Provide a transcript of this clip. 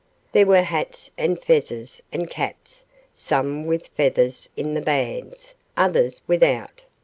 There were hats and fezzes and caps, some with feathers In the bands, others without.